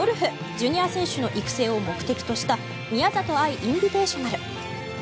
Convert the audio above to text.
ジュニア選手の育成を目的とした宮里藍インビテーショナル。